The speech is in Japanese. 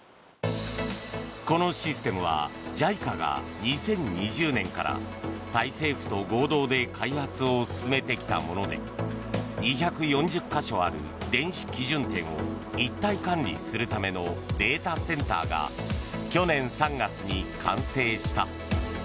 このシステムはＪＩＣＡが２０２０年からタイ政府と合同で開発を進めてきたもので２４０か所ある電子基準点を一体管理するためのデータセンターが去年３月に完成した。